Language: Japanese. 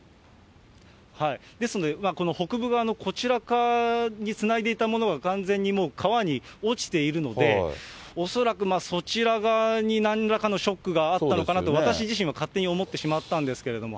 ですので、この北部側のこちら側につないでいたものが完全にもう、川に落ちているので、恐らくそちら側になんらかのショックがあったのかなと、私自身は勝手に思ってしまったんですけれども。